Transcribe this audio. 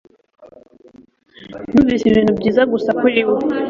Numvise ibintu byiza gusa kuri we